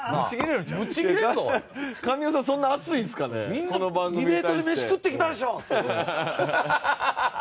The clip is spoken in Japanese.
「みんなディベートで飯食ってきたでしょ！」。ハハハハ！